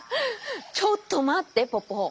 ちょっとまってポポ！